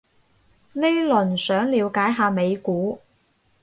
呢輪想了解下美股